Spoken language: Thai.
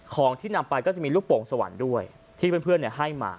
ของที่นำไปก็จะมีลูกโปรงสวรรค์ด้วยที่เพื่อนเพื่อนเนี่ยให้มา